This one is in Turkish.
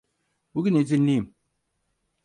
Bugün izinliyim.